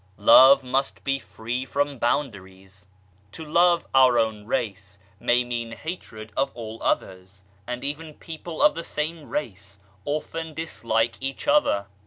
Love must be free from boundaries ! To love our own race may mean hatred of all others, and even people of the same race often dislike each other.